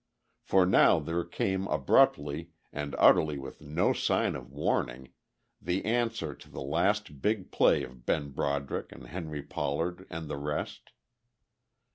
For now there came abruptly, and utterly with no sign of warning, the answer to the last big play of Ben Broderick and Henry Pollard and the rest.